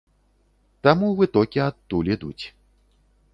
Таму вытокі адтуль ідуць.